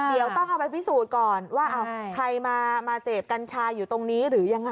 เดี๋ยวต้องเอาไปพิสูจน์ก่อนว่าใครมาเสพกัญชาอยู่ตรงนี้หรือยังไง